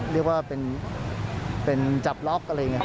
เรียกว่าเป็นจับล็อกอะไรอย่างนี้